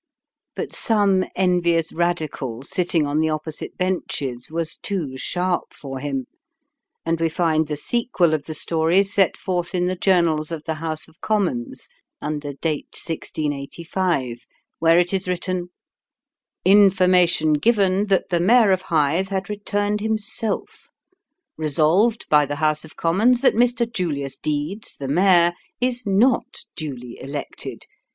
But some envious Radical setting on the opposite benches, was too sharp for him, and we find the sequel of the story set forth in the Journals of the House of Commons under date 1685, where it is written "Information given that the Mayor of Hythe had returned himself: Resolved by the House of Commons that Mr. Julius Deedes, the Mayor, is not duly elected.